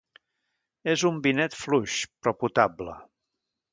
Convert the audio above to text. És un vinet fluix, però potable.